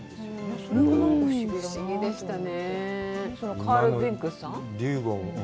不思議でしたね。